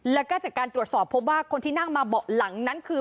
แล้วก็จากการตรวจสอบพบว่าคนที่นั่งมาเบาะหลังนั้นคือ